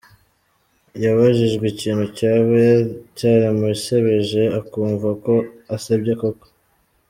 Yabajijwe ikintu cyaba cyaramusebeje akumva ko asebye koko.